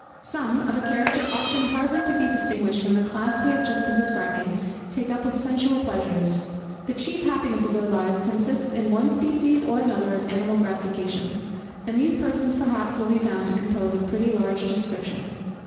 Some, of a character often hardly to be distinguished from the class we have been just describing, take up with sensual pleasures. The chief happiness of their lives consists in one species or another of animal gratification; and these persons perhaps will be found to compose a pretty large description.